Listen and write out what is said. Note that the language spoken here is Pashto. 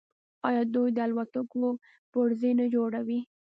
آیا دوی د الوتکو پرزې نه جوړوي؟